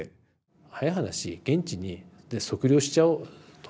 早い話「現地で測量しちゃおうよ」と。